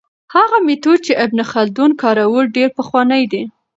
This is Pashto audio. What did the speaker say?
هغه میتود چې ابن خلدون کاروه ډېر پخوانی دی.